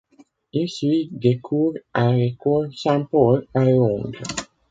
Il suit des cours à l'école St Paul à Londres.